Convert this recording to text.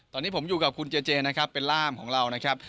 ตอนนี้ผมอยู่กับคุณเจเจนะครับเป็นร่ามของเรานะครับ